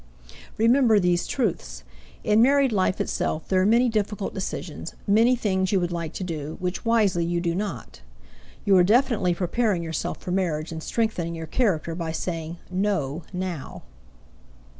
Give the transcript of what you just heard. Remember these truths: In married life itself there are many difficult decisions, many things you would like to do, which wisely you do not. You are definitely preparing yourself for marriage in strengthening your character by saying "no" now.